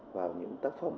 vào những tác phẩm